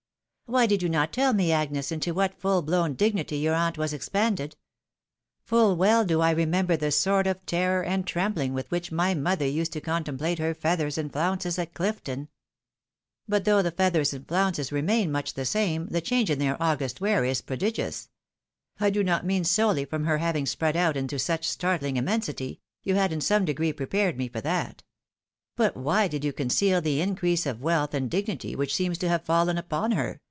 " Why did you not tell me, Agnes, into what fuU blown dignity your aunt was expanded ? FuU well do I remember the sort of terror and trembling with which my mother used to con template her feathers and flounces at Chfton. But though the feathers and flounces remain much the same, the change in their august wearer is prodigious I I do not mean solely from her having spread out into such startling immensity, — you had in some degree prepared me for that. But why did you conceal the increase of wealth and dignity which seems to have fallen upon her?